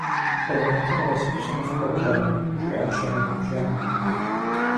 - Къемэтыр къэсыху сыныфпэплъэну? - жиӏащ анэ губжьам.